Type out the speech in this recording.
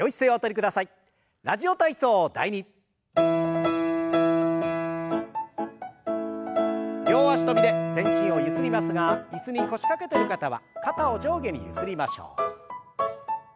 両脚跳びで全身をゆすりますが椅子に腰掛けてる方は肩を上下にゆすりましょう。